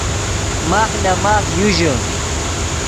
ماخ لے ماف یو ژے